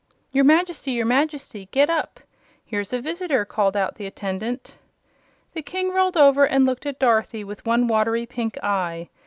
"Your Majesty! your Majesty! Get up. Here's a visitor," called out the attendant. The King rolled over and looked at Dorothy with one watery pink eye.